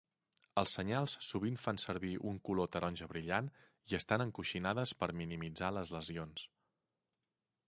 Els senyals sovint fan servir un color taronja brillant i estan encoixinades per minimitzar les lesions.